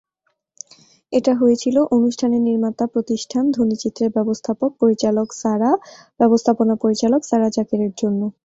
এটা হয়েছিল অনুষ্ঠানের নির্মাতা প্রতিষ্ঠান ধ্বনিচিত্রের ব্যবস্থাপনা পরিচালক সারা যাকেরের জন্য।